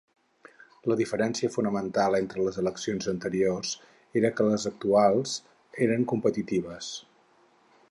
La diferència fonamental entre les eleccions anteriors era que les actuals eren competitives.